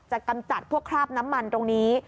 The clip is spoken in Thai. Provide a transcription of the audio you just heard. กำจัดพวกคราบน้ำมันตรงนี้